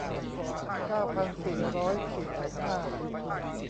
เก้าพันสี่ร้อยสี่สิบห้า